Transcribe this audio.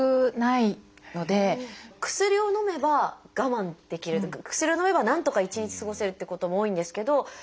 薬をのめば我慢できるというか薬をのめばなんとか一日過ごせるってことも多いんですけど。